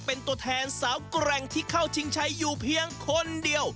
เป็นตัวแทนสาวแกร่งที่เข้าชิงชัยอยู่เพียงคนเดียว